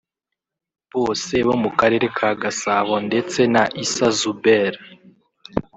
bose bo mu Karere ka Gasabo ndetse na Issa Zuber